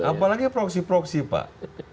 apalagi proksi proksi pak